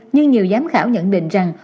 nhưng nhiều giám khảo nhận định rằng